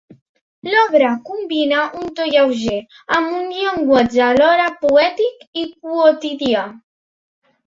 L'obra combina un to lleuger, amb un llenguatge alhora poètic i quotidià.